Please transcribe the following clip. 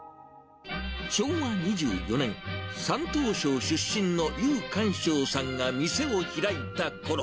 昭和２４年、山東省出身のゆうかんしょうさんが店を開いたころ。